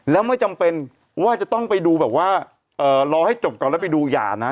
แล้วไม่จำเป็นว่าจะต้องไปดูแบบว่ารอให้จบก่อนแล้วไปดูอย่านะ